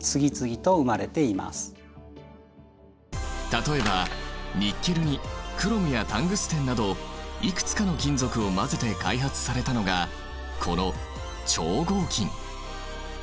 例えばニッケルにクロムやタングステンなどいくつかの金属を混ぜて開発されたのがこの超合金。